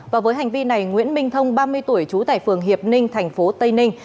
và với hành vi này nguyễn minh thông ba mươi tuổi trú tại phường hiệp ninh tp tây ninh